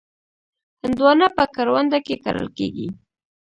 هندوانه په کرونده کې کرل کېږي.